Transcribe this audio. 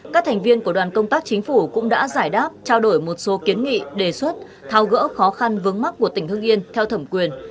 các thành viên của đoàn công tác chính phủ cũng đã giải đáp trao đổi một số kiến nghị đề xuất thao gỡ khó khăn vướng mắt của tỉnh hưng yên theo thẩm quyền